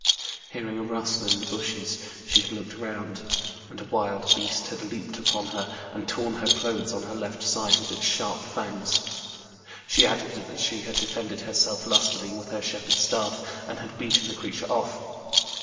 Hearing a rustle in the bushes she had looked round, and a wild beast had leaped upon her, and torn her clothes on her left side with its sharp fangs. She added that she had defended herself lustily with her shepherd's staff, and had beaten the creature off.